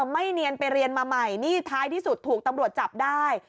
ไม่เนียนไปเรียนมาใหม่นี่ท้ายที่สุดถูกตำรวจจับได้